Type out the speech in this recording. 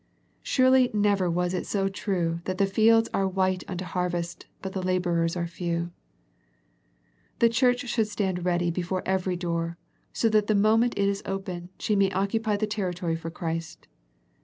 Surely never was it so true that the fields are white unto harvest but the labourers are few. The Church should stand ready before every door, so that the moment it is open, she may occupy the territory for Christ.